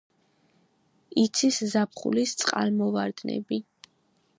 იცის ზაფხულის წყალმოვარდნები.